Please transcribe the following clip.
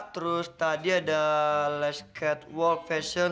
terus tadi ada les catwalk fashion